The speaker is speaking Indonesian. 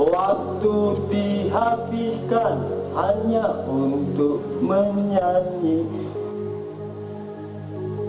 waktu dihapikan hanya untuk menyanyi